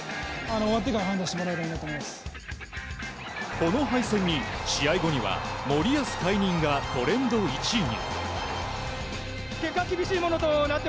この敗戦に試合後には森保解任がトレンド１位に。